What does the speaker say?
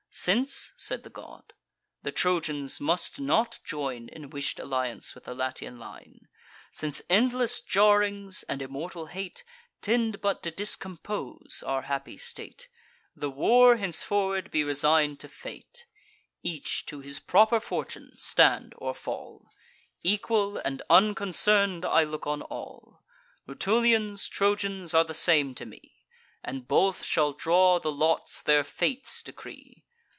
Since," said the god, "the Trojans must not join In wish'd alliance with the Latian line; Since endless jarrings and immortal hate Tend but to discompose our happy state; The war henceforward be resign'd to fate: Each to his proper fortune stand or fall; Equal and unconcern'd I look on all. Rutulians, Trojans, are the same to me; And both shall draw the lots their fates decree.